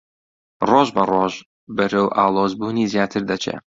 ڕۆژبەڕۆژ بەرەو ئاڵۆزبوونی زیاتر دەچێ